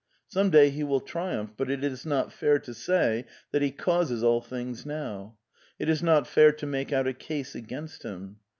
... Some day he will triumph. ... But it is not fair to say that he causes all things now. It is not fair to make out a case against him.